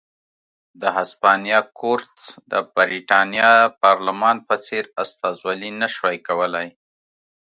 د هسپانیا کورتس د برېټانیا پارلمان په څېر استازولي نه شوای کولای.